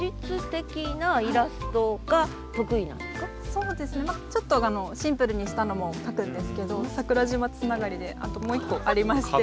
そうですねちょっとあのシンプルにしたのも描くんですけど桜島つながりであともう一個ありまして。